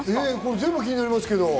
全部気になります。